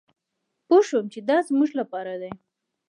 پوه شوم چې دا زمونږ لپاره دي.